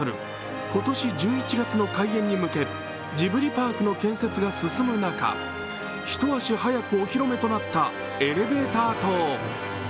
今年１１月の開園に向け、ジブリパークの建設が進む中、一足早くお披露目となったエレベーター塔。